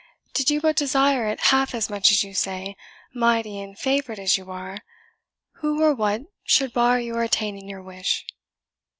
did you but desire it half as much as you say, mighty and favoured as you are, who or what should bar your attaining your wish?"